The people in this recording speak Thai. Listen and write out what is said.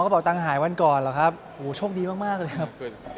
กระเป๋าตังหายวันก่อนเหรอครับโหช่งดีมากเลยครับ